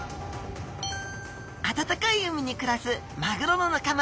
暖かい海に暮らすマグロの仲間